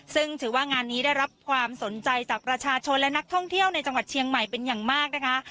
ซึ่งถือว่างานนี้ได้รับความสนใจจากประชาชนและนักท่องเที่ยวในจังหวัดเชียงใหม่เป็นอย่างมากนะคะ